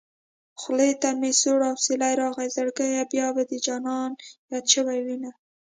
خولې ته مې سوړ اوسېلی راغی زړګيه بيا به دې جانان ياد شوی وينه